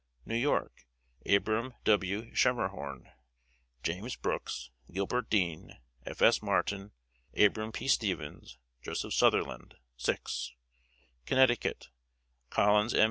New York: Abram M. Schemmerhorn, James Brooks, Gilbert Dean, F. S. Martin, Abram P. Stevens, Joseph Southerland 6. Connecticut: Collins M.